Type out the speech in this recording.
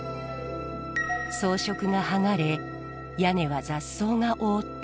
装飾が剥がれ屋根は雑草が覆っていました。